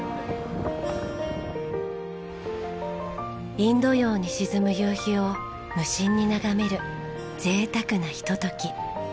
インド洋に沈む夕日を無心に眺める贅沢なひととき。